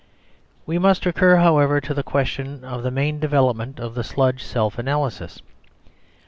We must recur, however, to the question of the main development of the Sludge self analysis.